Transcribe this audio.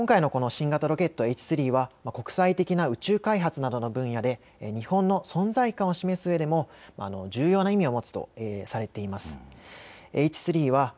ただ今回の新型ロケット、Ｈ３は国際的な宇宙開発などの分野で日本の存在感を示すうえでも、重要な意味を持つとされています。